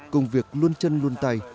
công việc luôn chân luôn tay